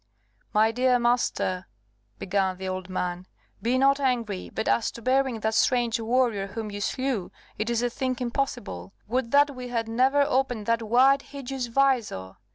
"My dear master," began the old man, "be not angry, but as to burying that strange warrior whom you slew, it is a thing impossible. Would that we had never opened that wide hideous visor!